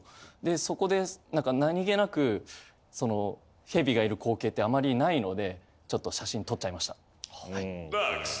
そこで何か何気なくその蛇がいる光景ってあまりないのでちょっと写真撮っちゃいましたはい。